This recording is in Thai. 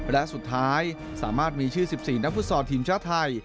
และสุดท้ายสามารถมีชื่อ๑๔นักฟุตซอลทีมชาติไทย